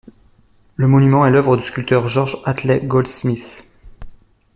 Le monument est l'œuvre du sculpteur George Hartley Goldsmith.